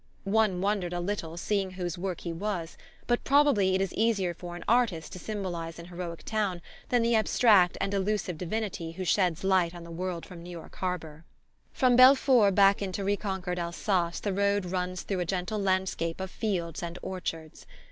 One wondered a little, seeing whose work he was; but probably it is easier for an artist to symbolize an heroic town than the abstract and elusive divinity who sheds light on the world from New York harbour. From Belfort back into reconquered Alsace the road runs through a gentle landscape of fields and orchards.